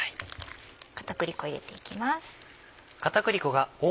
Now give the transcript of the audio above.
片栗粉入れていきます。